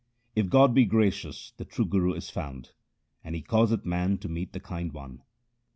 If God be gracious the true Guru is found, and he causeth man to meet the Kind One.